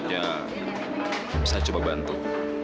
saya harus berbicara dengan si juh